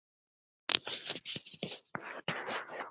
শুধু তোর মনের শান্তির জন্য তাকে জিজ্ঞেস করবো।